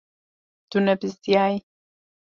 Tu nebizdiyayî.